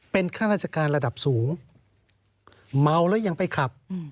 เป็นข้าราชการระดับสูงเมาแล้วยังไปขับ